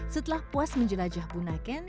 setelah puas menjelajah bunaken